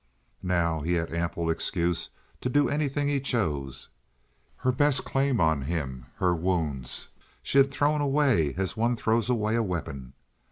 Now he had ample excuse to do anything he chose. Her best claim on him—her wounds—she had thrown away as one throws away a weapon.